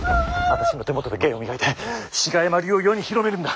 私の手元で芸を磨いて志賀山流を世に広めるんだ。